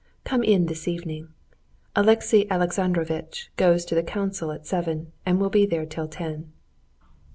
Come in this evening. Alexey Alexandrovitch goes to the council at seven and will be there till ten."